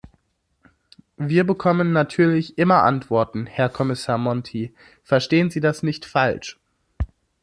Wir bekommen natürlich immer Antworten, Herr Kommissar Monti, verstehen Sie das nicht falsch.